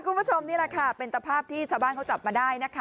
คุณผู้ชมนี่แหละค่ะเป็นตภาพที่ชาวบ้านเขาจับมาได้นะคะ